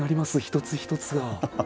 一つ一つが。